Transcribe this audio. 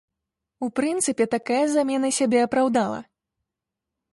У прынцыпе, такая замена сябе апраўдала.